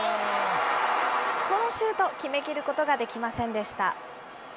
このシュート、決めきることができませんでした。